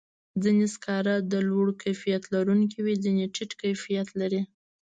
ځینې سکاره د لوړ کیفیت لرونکي وي، ځینې ټیټ کیفیت لري.